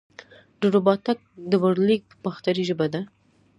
د رباتک ډبرلیک په باختري ژبه دی